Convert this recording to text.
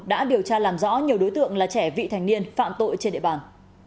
đã điều tra làm rõ nhiều đối tượng là trẻ vị thành niên phạm tội trên địa bàn